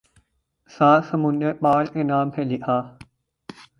سات سمندر پار کے نام سے لکھا